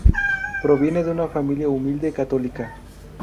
Proviene de una familia humilde católica.